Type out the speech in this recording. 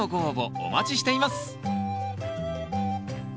お待ちしています。